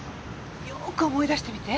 よーく思い出してみて。